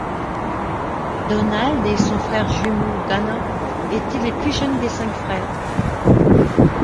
Donald et son frère jumeau Dana étaient les plus jeunes des cinq frères.